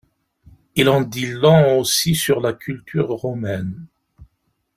Il en dit long aussi sur la culture romaine.